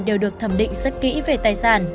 đều được thẩm định rất kỹ về tài sản